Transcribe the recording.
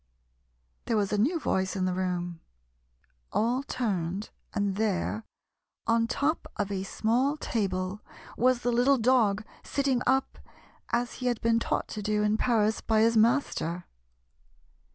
There was a new voice in the room. All turned, and there, on top of a small table, was the little dog, sitting up, as he had been taught to do in Paris by his master.